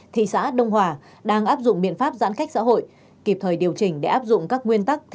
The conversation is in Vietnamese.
thị xã đông hòa đang áp dụng biện pháp giãn cách xã hội kịp thời điều chỉnh để áp dụng các nguyên tắc